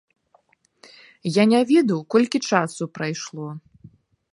Я не ведаў, колькі часу прайшло.